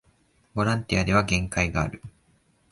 ボランティアでは限界がある